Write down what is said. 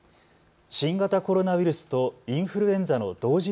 新型コロナウイルスとインフルエンザの同時